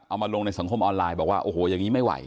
มาลงในสังคมออนไลน์บอกว่าโอ้โหอย่างนี้ไม่ไหว